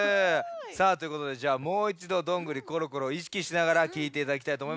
さあということでじゃあもういちど「どんぐりころころ」をいしきしながらきいていただきたいとおもいます。